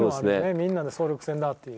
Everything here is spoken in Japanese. みんなで総力戦だっていう。